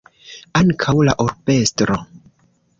Ankaŭ la urbestro.